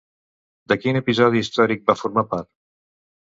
De quin episodi històric va formar part?